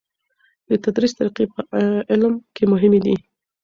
د تدریس طریقی په علم کې مهمې دي.